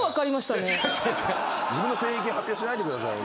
自分の性癖を発表しないでください。